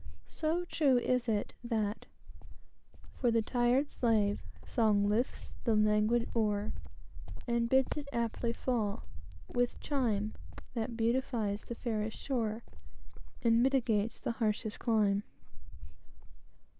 So true is it, that "For the tired slave, song lifts the languid oar, And bids it aptly fall, with chime That beautifies the fairest shore, And mitigates the harshest clime."